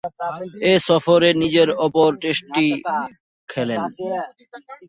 এ সফরে নিজের অপর টেস্টটি খেলেন।